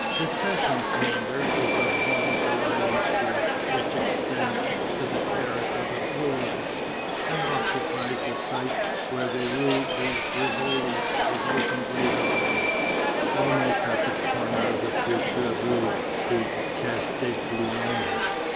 The session chamber is the Hall of the Riding School, which extends to the terrace of the Feuillants, and occupies the site where the rue de Rivoli was opened later on, almost at the corner of the future rue de Castiglione.